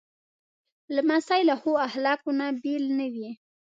لمسی له ښو اخلاقو نه بېل نه وي.